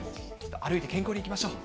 歩いて健康でいきましょう。